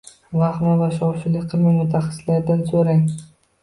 Vahima va shov-shuv qilmang, mutaxassislardan so‘rang